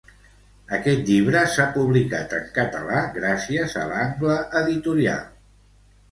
Aquest llibre s'ha publicat en català gràcies a l'Angle Editorial.